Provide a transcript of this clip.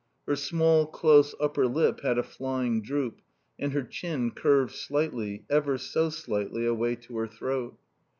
Her small, close upper lip had a flying droop; and her chin curved slightly, ever so slightly, away to her throat.